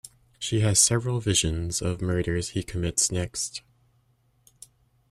She has several visions of murders he commits next.